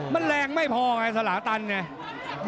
มันแรงไม่พอไงสละตันเนี่ย